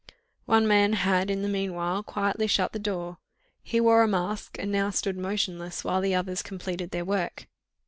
One man had in the meanwhile quietly shut the door; he wore a mask and now stood motionless while the others completed their work.